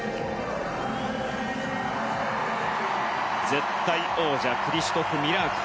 絶対王者クリシュトフ・ミラーク。